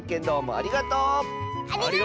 ありがとう！